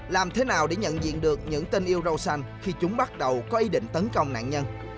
làm thế nào để nhận diện được những tình yêu rau xanh khi chúng bắt đầu có ý định tấn công nạn nhân